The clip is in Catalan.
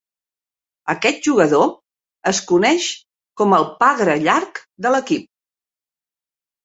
Aquest jugador es coneix com el pagre llarg de l"equip.